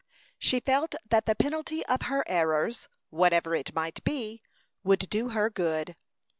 She felt that the penalty of her errors, whatever it might be, would do her good.